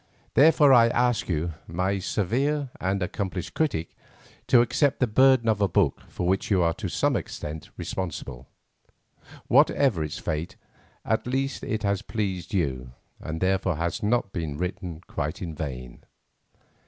Therefore I ask you, my severe and accomplished critic, to accept the burden of a book for which you are to some extent responsible. Whatever its fate, at least it has pleased you and therefore has not been written quite in vain.